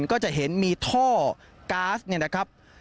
ก็จะเห็นมีท่อก๊าซเนี่ยนะครับ